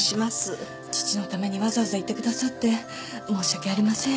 父のためにわざわざ行ってくださって申し訳ありません